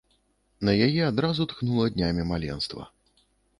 На яе адразу тхнула днямі маленства.